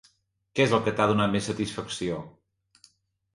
Què és el que t'ha donat més satisfacció?